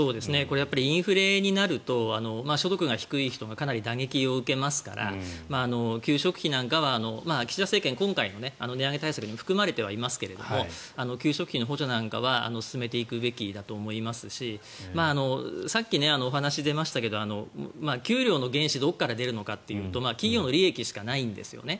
インフレになると所得が低い人がかなり打撃を受けますから給食費なんかは岸田政権、今回の値上げ対策も含まれてはいますけれど給食費の補助なんかは進めていくべきだと思いますしさっきお話が出ましたが給料の原資がどこから出るのかということ企業の利益しかないんですね。